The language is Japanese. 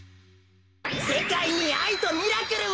せかいにあいとミラクルを！